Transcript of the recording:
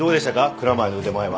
蔵前の腕前は。